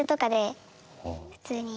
普通に。